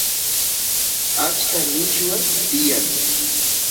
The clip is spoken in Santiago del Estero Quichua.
achka milluwa tiyan